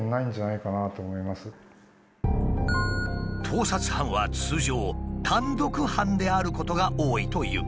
盗撮犯は通常単独犯であることが多いという。